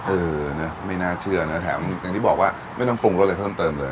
เออนะไม่น่าเชื่อนะแถมอย่างที่บอกว่าไม่ต้องปรุงรสอะไรเพิ่มเติมเลย